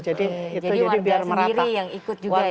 jadi warga sendiri yang ikut juga ya